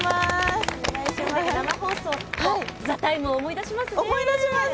生放送、「ＴＨＥＴＩＭＥ，」を思い出しますね。